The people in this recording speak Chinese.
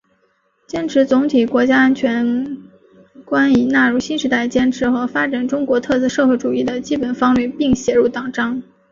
坚持总体国家安全观已纳入新时代坚持和发展中国特色社会主义的基本方略并写入党章